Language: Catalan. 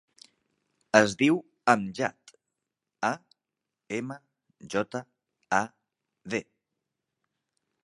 Es diu Amjad: a, ema, jota, a, de.